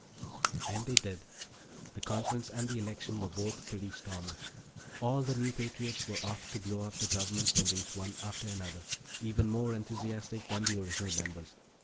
And they did. The conference and the election were both pretty stormy. All the new patriots were off to blow up the Government buildings one after another, even more enthusiastic than the original members.